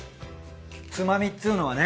つまみっつうのはね。